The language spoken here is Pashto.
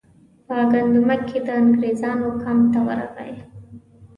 په ګندمک کې د انګریزانو کمپ ته ورغی.